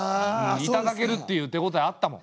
いただけるっていう手ごたえあったもん。